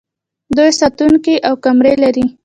دوی ساتونکي او کمرې لري.